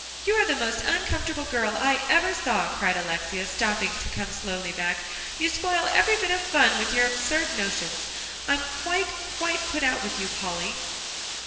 "You are the most uncomfortable girl I ever saw," cried Alexia, stopping, to come slowly back. "You spoil every bit of fun with your absurd notions. I'm quite, quite put out with you, Polly."